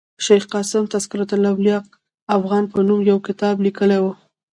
شېخ قاسم تذکرة الاولياء افغان په نوم یو کتاب لیکلی ؤ.